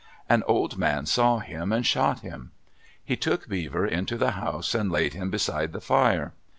An old man saw him and shot him. He took Beaver into the house and laid him beside the fire.